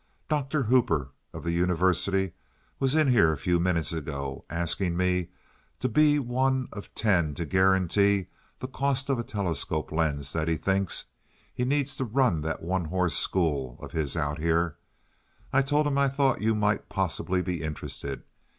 Doctor Hooper, of the University, was in here a few minutes ago asking me to be one of ten to guarantee the cost of a telescope lens that he thinks he needs to run that one horse school of his out there. I told him I thought you might possibly be interested.